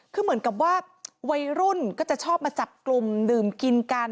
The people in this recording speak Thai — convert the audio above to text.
คือเหมือนกับว่าวัยรุ่นก็จะชอบมาจับกลุ่มดื่มกินกัน